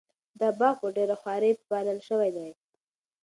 دا باغ په ډېره خواري پالل شوی دی.